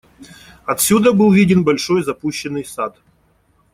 Отсюда был виден большой запущенный сад.